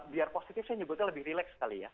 biar positif saya nyebutnya lebih rileks sekali ya